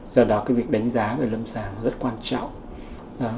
do đó cái việc đánh giá về lâm sàng rất quan trọng